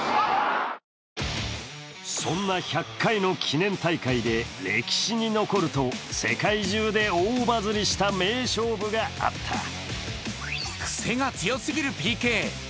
そんな１００回の記念大会で歴史に残ると、世界中で大バズりした名勝負があった。